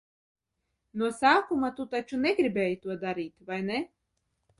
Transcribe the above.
No sākuma tu taču negribēji to darīt, vai ne?